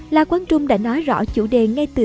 la quang trung đã nói rõ chủ đề ngay từ